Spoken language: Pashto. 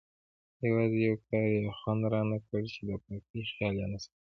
یوازې یو کار یې خوند رانه کړ چې د پاکۍ خیال نه ساتل کېږي.